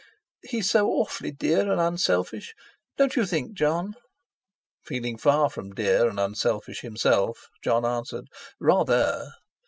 "He's awfully dear and unselfish—don't you think, Jon?" Feeling far from dear and unselfish himself, Jon answered: "Rather!"